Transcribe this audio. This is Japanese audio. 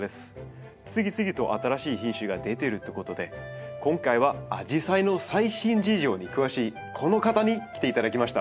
次々と新しい品種が出てるってことで今回はアジサイの最新事情に詳しいこの方に来ていただきました。